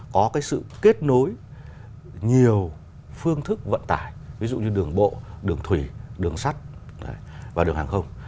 có cái sự kết nối nhiều phương thức vận tải ví dụ như đường bộ đường thủy đường sắt và đường hàng không